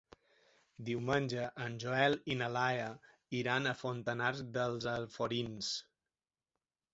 Diumenge en Joel i na Laia iran a Fontanars dels Alforins.